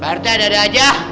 pak rete ada ada aja